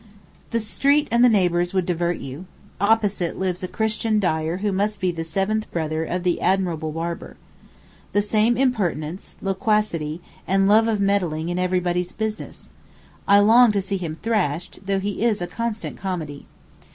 The street and the neighbours would divert you. Opposite lives a Christian dyer who must be a seventh brother of the admirable barber. The same impertinence, loquacity, and love of meddling in everybody's business. I long to see him thrashed, though he is a constant comedy.